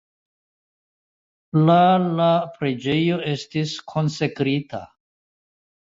La la preĝejo estis konsekrita.